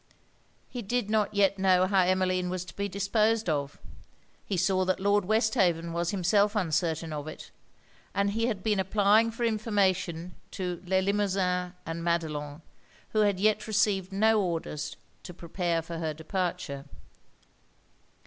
He did not yet know how Emmeline was to be disposed of: he saw that Lord Westhaven was himself uncertain of it; and he had been applying for information to Le Limosin and Madelon, who had yet received no orders to prepare for her departure.